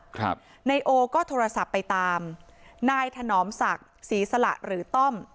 ครับนายโอก็โทรศัพท์ไปตามนายถนอมศักดิ์ศรีสละหรือต้อม